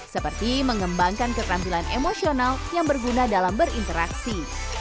seperti mengembangkan keterampilan emosional yang berguna dalam berinteraksi